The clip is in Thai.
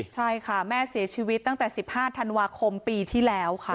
ใช่ค่ะแม่เสียชีวิตตั้งแต่๑๕ธันวาคมปีที่แล้วค่ะ